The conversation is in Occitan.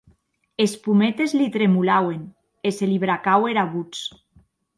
Es pometes li tremolauen, e se li bracaue era votz.